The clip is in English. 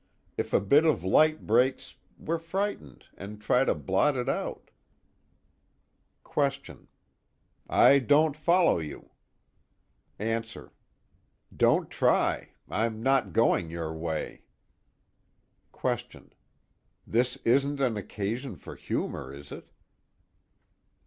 If a bit of light breaks we're frightened and try to blot it out. QUESTION: I don't follow you. ANSWER: Don't try. I'm not going your way. QUESTION: This isn't an occasion for humor, is it?